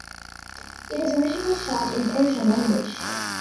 It is originally shot in Persian language.